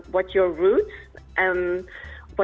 dan itu adalah mengetahui